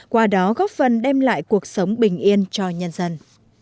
qua đó góp phần đem lại cuộc sống bình yên cho nhân dân